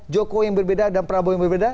jokowi yang berbeda dan prabowo yang berbeda